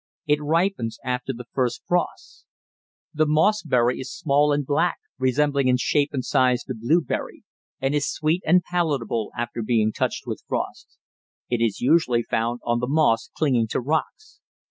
It ripens after the first frost. The mossberry is small and black, resembling in shape and size the blueberry, and is sweet and palatable after being touched with frost. It is usually found on the moss clinging to rocks.